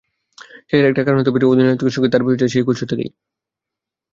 সেটির একটা কারণ হতে পারে, অধিনায়কত্বের সঙ্গে তাঁর পরিচয়টা সেই কৈশোর থেকেই।